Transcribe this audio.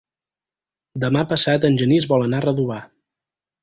Demà passat en Genís vol anar a Redovà.